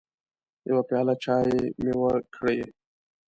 يوه پياله چايي مې وکړې